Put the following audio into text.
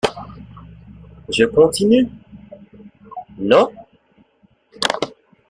Je continue? Non ?